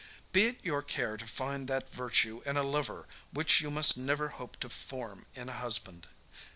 Be it your care to find that virtue in a lover which you must never hope to form in a husband.